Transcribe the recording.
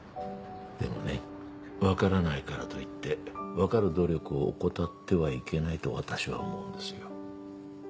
でもね分からないからといって分かる努力を怠ってはいけないと私は思うんですよ。